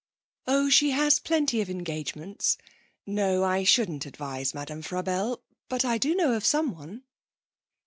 'Oh, she has plenty of engagements. No, I shouldn't advise Madame Frabelle. But I do know of someone.'